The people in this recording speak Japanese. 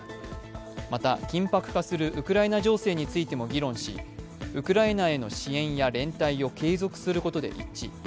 また、緊迫化するウクライナ情勢についても議論しウクライナへの支援や連帯を継続することで一致。